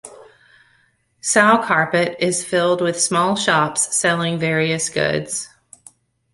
Sowcarpet is filled with small shops selling various goods.